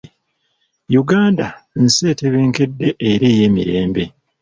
Uganda nsi etebenkedde era ey'emirembe.